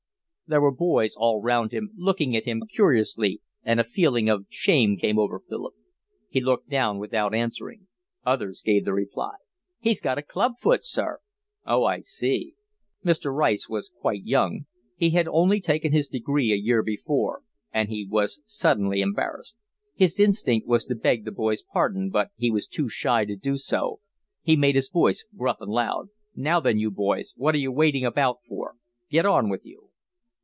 There were boys all round him, looking at him curiously, and a feeling of shame came over Philip. He looked down without answering. Others gave the reply. "He's got a club foot, sir." "Oh, I see." Mr. Rice was quite young; he had only taken his degree a year before; and he was suddenly embarrassed. His instinct was to beg the boy's pardon, but he was too shy to do so. He made his voice gruff and loud. "Now then, you boys, what are you waiting about for? Get on with you."